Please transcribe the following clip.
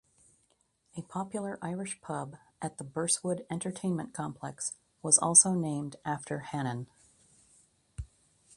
A popular Irish pub at the Burswood Entertainment Complex was also named after Hannan.